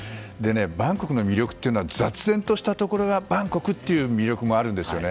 バンコクの魅力というのは雑然としたところがバンコクの魅力もあるんですね。